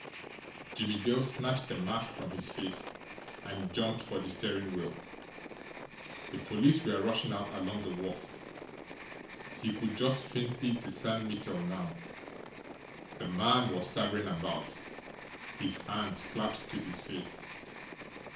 Jimmie Dale snatched the mask from his face, and jumped for the steering wheel. The police were rushing out along the wharf. He could just faintly discern Mittel now the man was staggering about, his hands clapped to his face.